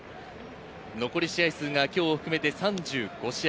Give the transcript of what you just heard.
残り試合数が今日を含めて３５試合。